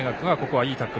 いいタックル！